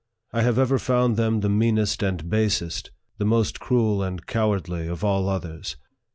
I have ever found them the meanest and basest, the most cruel and cowardly, of all others.